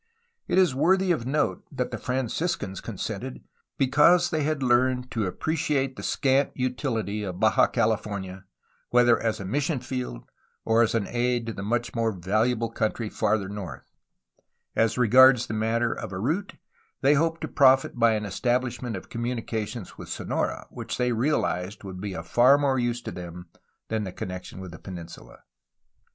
It is worthy of note that the Franciscans consented because they had learned to appre ciate the scant utility of Baja California whether as a mis sion field or as an aid to the much more valuable country farther north; as regards the matter of a route they hoped to profit by an establishment of communications with Sonora, which they realized would be of far more use to them than the connection with the peninsula.